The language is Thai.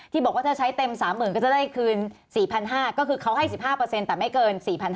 บอกว่าถ้าใช้เต็ม๓๐๐๐ก็จะได้คืน๔๕๐๐ก็คือเขาให้๑๕แต่ไม่เกิน๔๕๐๐